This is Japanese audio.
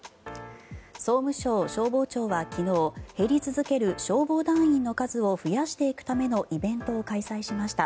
総務省消防庁は昨日減り続ける消防団員の数を増やしていくためのイベントを開催しました。